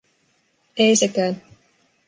Ei sekään.